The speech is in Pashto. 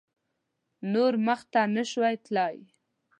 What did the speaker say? نور مخته نه شوای تللای.